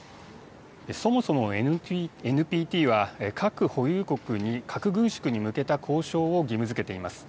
そもそもＮＰＴは、核保有国に核軍縮に向けた交渉を義務づけています。